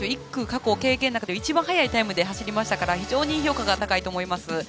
１区過去経験なくて一番速いタイムで走りましたから非常に評価が高いと思います。